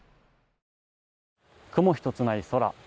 雲１つない空。